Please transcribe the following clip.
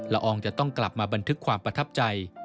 อองจะต้องกลับมาบันทึกความประทับใจ